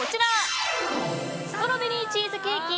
ストロベリーチーズケーキ。